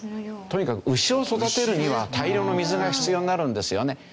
とにかく牛を育てるには大量の水が必要になるんですよね。